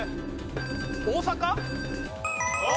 大阪？